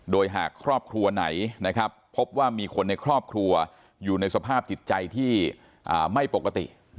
โดยหากครอบครัวไหนพบว่ามีคนในครอบครัวอยู่ในสภาพจิตใจที่ไม่ปกติ